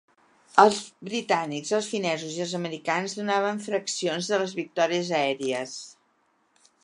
Els britànics, els finesos i els americans donaven fraccions de les victòries aèries.